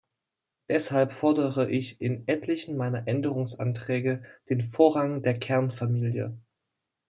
Deshalb fordere ich in etlichen meiner Änderungsanträge den Vorrang der Kernfamilie.